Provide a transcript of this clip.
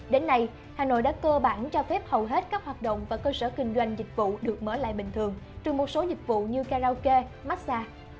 đến nay hà nội đã cơ bản cho phép hầu hết các hoạt động và cơ sở kinh doanh dịch vụ được mở lại bình thường trừ một số dịch vụ như karaoke massage